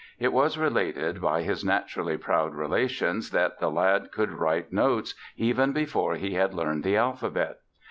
It was related by his naturally proud relations that the lad could write notes even before he had learned the alphabet.